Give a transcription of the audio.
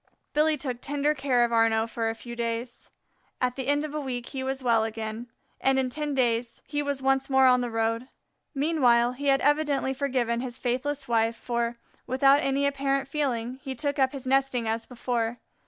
Billy took tender care of Arnaux for a few days. At the end of a week he was well again, and in ten days he was once more on the road. Meanwhile he had evidently forgiven his faithless wife, for, without any apparent feeling, he took up his nesting as before.